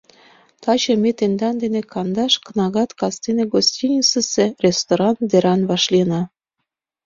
Таче ме тендан дене кандаш кнагат кастене гостиницысе ресторан деран вашлийына.